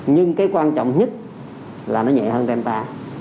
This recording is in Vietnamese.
nhưng cái quan trọng nhất là nó nhẹ hơn delta